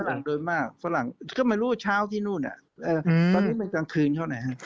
ฝรั่งโดยมากฝรั่งก็ไม่รู้ว่าเช้าที่นู่นตอนนี้มันกลางคืนเท่านั้น